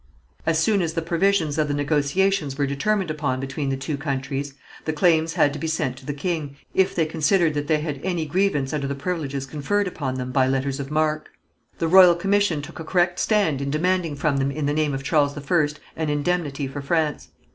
As soon as the provisions of the negotiations were determined upon between the two countries, the claims had to be sent to the king, if they considered that they had any grievance under the privileges conferred upon them by letters of marque. The royal commission took a correct stand in demanding from them in the name of Charles I an indemnity for France.